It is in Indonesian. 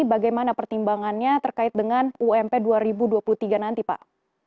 bagaimana pertimbangannya terkait dengan ump dua ribu dua puluh tiga nanti pak